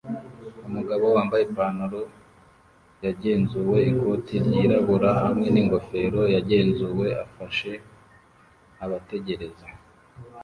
Umugabo wambaye ipantaro yagenzuwe ikoti ryirabura hamwe n'ingofero yagenzuwe afashe abategereza